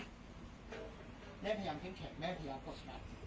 แม่พยายามแข็งแข็งแม่พยายามกดสนับ